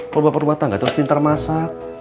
kalau bapak rumah tangga terus pintar masak